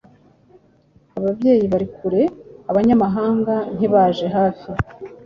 Ababyeyi bari kure, Abanyamahanga ntibaje hafi,